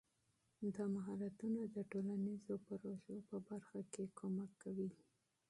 دا مهارتونه د ټولنیزو پروژو په برخه کې مرسته کوي.